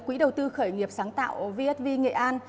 quỹ đầu tư khởi nghiệp sáng tạo vsv nghệ an